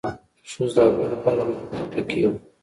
د ښځو د حقونو په اړه معلومات پکي و